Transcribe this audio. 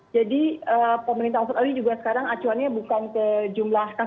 jadi pemerintah australia juga sekarang acuannya bukan ke jumlah kasus